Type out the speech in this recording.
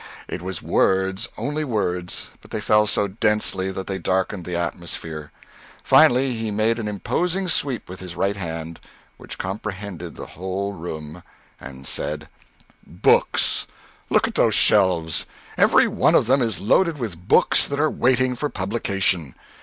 It was words, only words, but they fell so densely that they darkened the atmosphere. Finally he made an imposing sweep with his right hand, which comprehended the whole room and said, "Books look at those shelves! Every one of them is loaded with books that are waiting for publication.